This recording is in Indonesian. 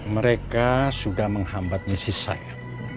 mereka sudah menghambat misi saya